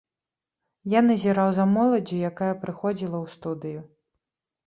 Я назіраў за моладдзю, якая прыходзіла ў студыю.